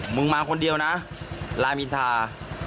มึงมาคนเดียวนะลามินทา